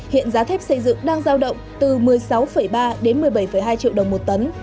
hiện giá thép xây dựng đang giao động từ một mươi sáu ba đến một mươi bảy hai triệu đồng một tấn